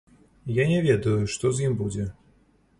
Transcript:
Я не ведаю, што з ім будзе.